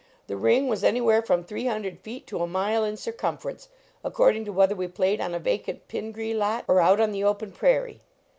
The ring was anywhere from three hundred feet to a mile in circumfer ence, according to whether we played on a vacant Pingree lot or out on the open prairie.